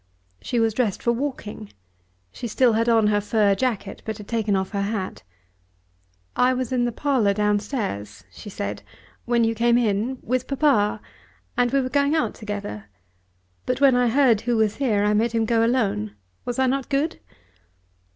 She was dressed for walking. She still had on her fur jacket, but had taken off her hat. "I was in the parlour downstairs," she said, "when you came in, with papa; and we were going out together; but when I heard who was here, I made him go alone. Was I not good?"